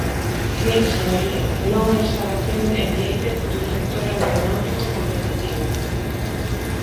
Mire, señoría, non á instalación en Biéitez dun sector aeronáutico competitivo.